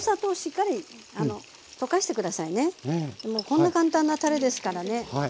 もうこんな簡単なたれですからね。